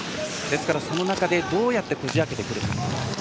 ですから、その中でどうやってこじ開けてみるか。